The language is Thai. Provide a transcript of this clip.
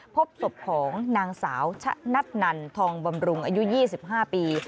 พบศพของนางสาวชะนัดนันทองบำรุงอายุ๒๕ปี